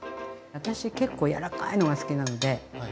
私結構柔らかいのが好きなので。